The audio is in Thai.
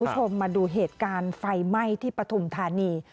คุณผู้ชมมาดูเหตุการณ์ไฟไหม้ที่ปฐุมธานี